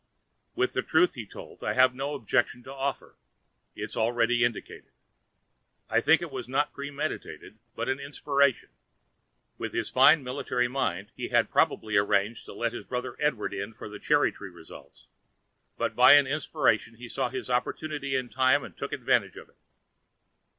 With the truth he told I have no objection to offer, as already indicated. I think it was not premeditated but an inspiration. With his fine military mind, he had probably arranged to let his brother Edward in for the cherry tree results, but by an inspiration he saw his opportunity in time and took advantage of it.